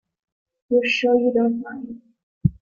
You're sure you don't mind?